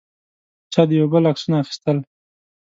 چا د یو بل عکسونه اخیستل.